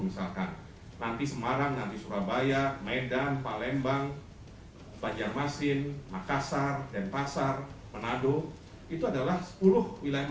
tetapi untuk pusat pemerintahan kita ingin mengembangkan juga wilayah yang selama ini mungkin ditinggalkan